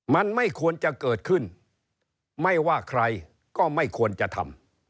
มันไม่ควรจะเกิดขึ้นไม่ว่าใครก็ไม่ควรจะทำ